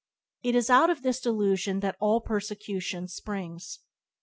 It is out of this delusion that all persecutions springs.